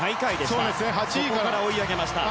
そこから追い上げました。